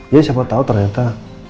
ya siapa tahu ternyata